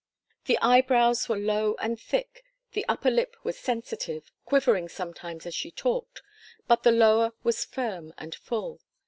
The eyebrows were low and thick, the upper lip was sensitive, quivering sometimes as she talked, but the lower was firm and full.